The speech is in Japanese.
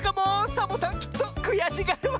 サボさんきっとくやしがるわ！